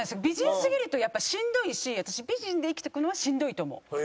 美人すぎるとやっぱりしんどいし私美人で生きていくのはしんどいと思う。